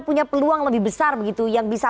punya peluang lebih besar begitu yang bisa